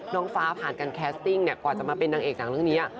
น้องฟ้าผ่านกันแคสติ้งกว่าจะมาเป็นนางเอกหนังเรื่องนี้